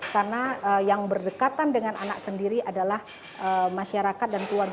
karena yang berdekatan dengan anak sendiri adalah masyarakat dan dalam east afghanistan